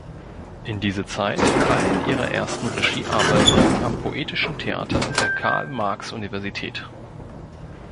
In diese Zeit fallen ihre ersten Regiearbeiten am Poetischen Theater der Karl-Marx-Universität.